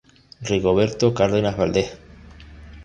Rigoberto Cárdenas Valdez".